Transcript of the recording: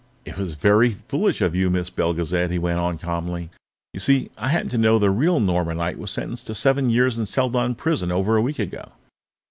"It was very foolish of you, Miss Belgezad," he went on calmly. "You see, I happened to know that the real Norma Knight was sentenced to seven years in Seladon Prison over a week ago.